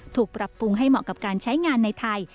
ถูกปรับปรุงให้เหมาะกับการใช้งานในไทย